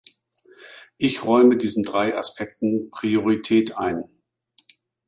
Ich räume diesen drei Aspekten Priorität ein.